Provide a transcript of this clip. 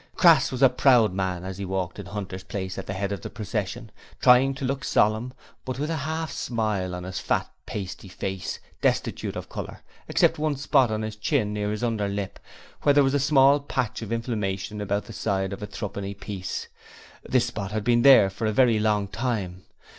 Crass was a proud man as he walked in Hunter's place at the head of the procession, trying to look solemn, but with a half smile on his fat, pasty face, destitute of colour except one spot on his chin near his underlip, where there was a small patch of inflammation about the size of a threepenny piece. This spot had been there for a very long time.